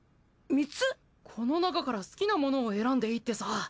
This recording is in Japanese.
この中から好きなものを選んでいいってさ。